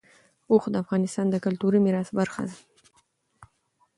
اوښ د افغانستان د کلتوري میراث برخه ده.